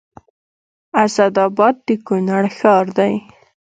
اسداباد د کونړ ښار دی